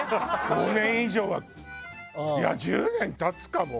５年以上はいや１０年経つかもう。